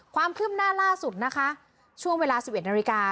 ความคืบหน้าล่าสุดนะคะช่วงเวลา๑๑นาฬิกา